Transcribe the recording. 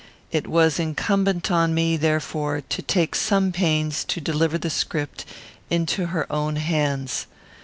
It was incumbent on me, therefore, to take some pains to deliver the script into her own hands.